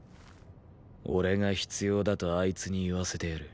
俺が必要だとあいつに言わせてやる。